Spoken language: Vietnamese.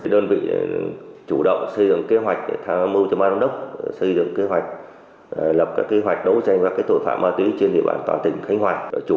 đơn vị chủ động xây dựng kế hoạch tham mưu cho ban giám đốc xây dựng kế hoạch lập kế hoạch đấu tranh các tội phạm ma túy trên địa bàn toàn tỉnh khánh hòa